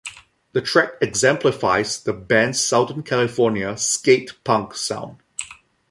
The track exemplifies the band's southern California skate punk sound.